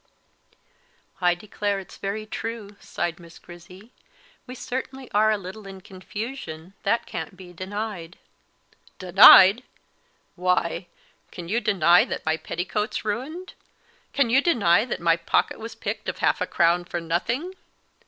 "I declare it's very true," sighed Miss Grizzy; "we certainly are a little in confusion, that can't be denied." "Denied! Why, can you deny that my petticoat's ruined?" Can you deny that my pocket was picked of half a crown for nothing?